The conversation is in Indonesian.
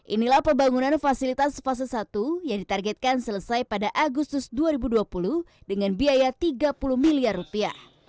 inilah pembangunan fasilitas fase satu yang ditargetkan selesai pada agustus dua ribu dua puluh dengan biaya tiga puluh miliar rupiah